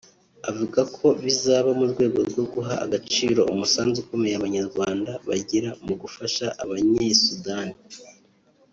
Avuga ko bizaba mu rwego rwo guha agaciro umusanzu ukomeye Abanyarwanda bagira mu gufasha Abanye-Sudani